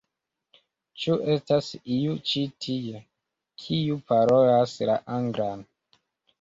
Ĉu estas iu ĉi tie, kiu parolas la anglan?